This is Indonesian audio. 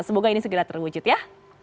semoga ini segera terwujud ya